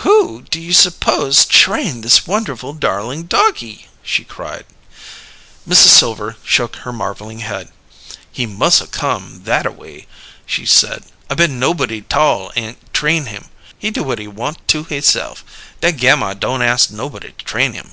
"Who do you s'pose trained this wonderful, darling doggie?" she cried. Mrs. Silver shook her marvelling head. "He mus' 'a' come thataway," she said. "I bet nobody 't all ain' train him; he do whut he want to hisse'f. That Gammire don' ast nobody to train him."